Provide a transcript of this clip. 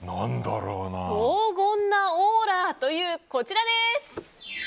荘厳なオーラというこちらです。